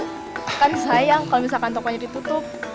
kan sayang kalau misalkan tokonya ditutup